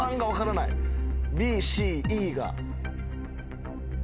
ＢＣＥが。